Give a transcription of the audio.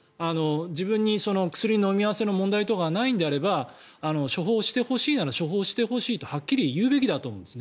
自分に薬飲み合わせの問題がないのであれば処方してほしいなら処方してほしいとはっきりと言うべきだと思うんです。